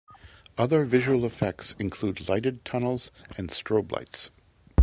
Other visual effects include lighted tunnels and strobe lights.